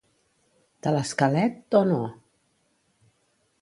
De l'esquelet, o no?